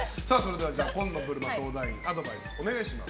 紺野ぶるま相談員アドバイスをお願いします。